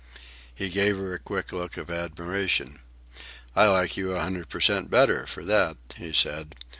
He gave her a quick look of admiration. "I like you a hundred per cent. better for that," he said.